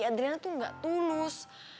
adrena tuh gak tulus